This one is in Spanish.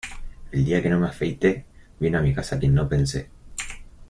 El día que no me afeité, vino a mi casa quien no pensé.